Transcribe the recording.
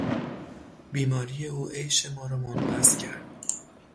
بیماری او عیش ما را منقص کرد.